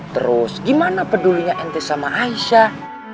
terus gimana pedulinya ente sama aisyah